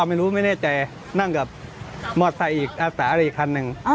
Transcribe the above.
ไม่รู้ไม่แน่ใจนั่งกับมอไซค์อีกอาสาอะไรอีกคันหนึ่ง